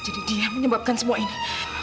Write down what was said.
jadi dia yang menyebabkan semua ini